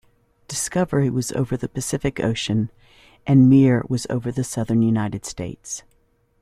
"Discovery" was over the Pacific ocean and "Mir" was over the southern United States.